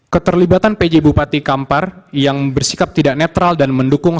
keterlibatan pj bupati kampar yang bersikap tidak netral dan mendukung